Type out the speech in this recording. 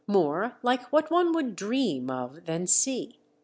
ore like what one would dream of than see.